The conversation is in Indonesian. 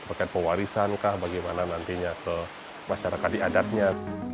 agaknya pewarisankah bagaimana nantinya ke masyarakat diadatnya